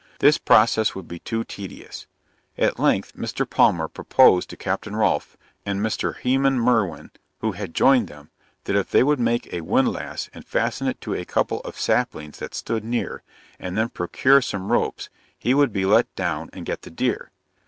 This process would be too tedious. At length Mr. Palmer proposed to Capt. Rolph and Mr. Heman Merwin, who had joined them, that if they would make a windlas and fasten it to a couple of saplings that stood near, and then procure some ropes, he would be let down and get the deer.